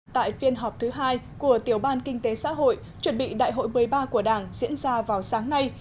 tại phiên họp thứ hai của tiểu ban kinh tế xã hội chuẩn bị đại hội một mươi ba của đảng diễn ra vào sáng nay